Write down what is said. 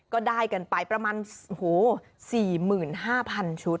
ก็ได้กันไปประมาณ๔๕๐๐๐ชุด